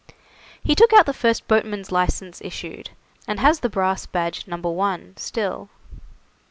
He took out the first boatman's licence issued, and has the brass badge, No. 1, still.